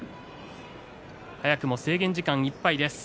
早くも制限時間いっぱいです。